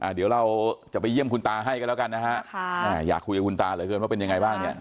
เดี๋ยวเราจะไปเยี่ยมคุณตาให้กันแล้วกันนะฮะอยากคุยกับคุณตาเหลือเกินว่าเป็นยังไงบ้างเนี่ย